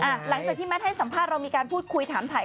หลังจากที่แมทให้สัมภาษณ์เรามีการพูดคุยถามถ่าย